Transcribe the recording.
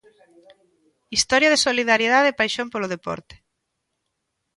Historia de solidariedade e paixón polo deporte.